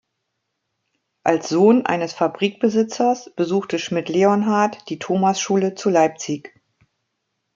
Als Sohn eines Fabrikbesitzers besuchte Schmidt-Leonhardt die Thomasschule zu Leipzig.